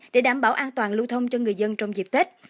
để đảm bảo an toàn lưu thông cho người dân trong dịp tết